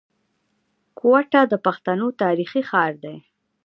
کوټه د پښتنو تاريخي ښار دی.